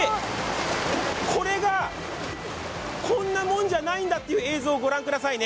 これがこんなもんじゃないんだという映像をご覧くださいね。